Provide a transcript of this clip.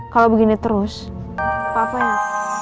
kalau begini terus apa apa ya